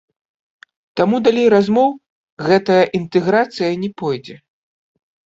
Таму далей размоў гэтая інтэграцыя не пойдзе.